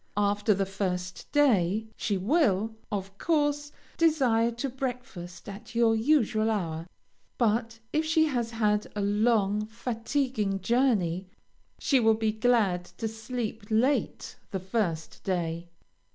After the first day, she will, of course, desire to breakfast at your usual hour, but if she has had a long, fatiguing journey, she will be glad to sleep late the first day.